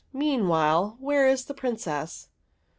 Meanwhile, where is the Princess?''